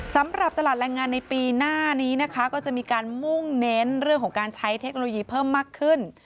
สำหรับตลาดแรงงานในปีหน้านี้นะคะก็จะมีการมุ่งเน้นเรื่องของการใช้เทคโนโลยีเพิ่มมากขึ้น